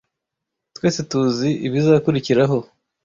Twese tuzi ibizakurikiraho.